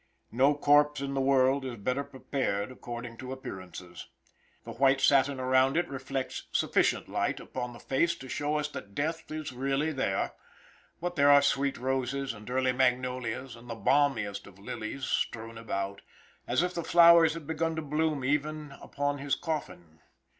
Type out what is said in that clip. No corpse in the world is better prepared according to appearances. The white satin around it reflects sufficient light upon the face to show us that death is really there; but there are sweet roses and early magnolias, and the balmiest of lilies strewn around, as if the flowers had begun to bloom even upon his coffin.